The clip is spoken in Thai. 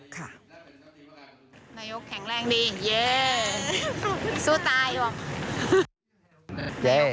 นายกแข็งแรงดีเย้สู้ตายหรอก